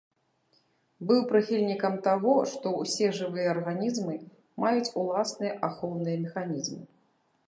Быў прыхільнікам таго, што ўсе жывыя арганізмы маюць уласныя ахоўныя механізмы.